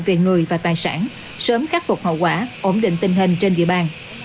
về người và tài sản sớm khắc phục hậu quả ổn định tình hình trên địa bàn